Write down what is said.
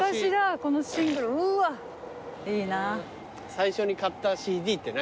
最初に買ったＣＤって何？